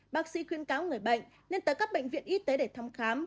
bác sĩ khuyên cáo người bệnh nên tới các bệnh viện y tế để thăm khám